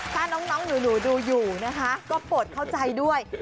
ถ้าน้องหนูดูอยู่นะคะก็ปลดเข้าใจด้วย